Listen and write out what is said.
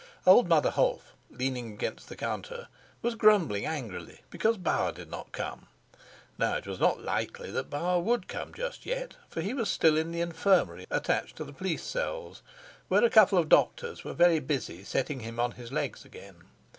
Old Mother Holf, leaning against the counter, was grumbling angrily because Bauer did not come. Now it was not likely that Bauer would come just yet, for he was still in the infirmary attached to the police cells, where a couple of doctors were very busy setting him on his legs again.